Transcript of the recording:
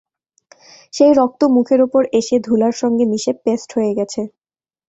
সেই রক্ত মুখের ওপর এসে ধুলার সঙ্গে মিশে পেস্ট হয়ে গেছে।